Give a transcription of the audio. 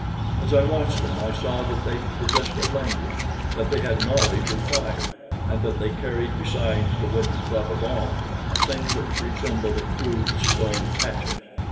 As I watched them, I saw that they possessed a language, that they had knowledge of fire and that they carried besides the wooden club of Ahm, a thing which resembled a crude stone hatchet.